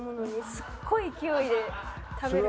すっごい勢いで食べるんですよ。